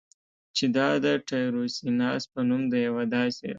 چې دا د ټایروسیناز په نوم د یوه داسې